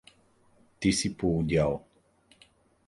Ти си полудял!